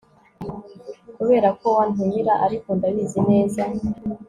Kuberako wantumira Ariko ndabizi neza